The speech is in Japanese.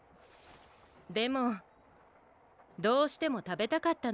でもどうしてもたべたかったのよね。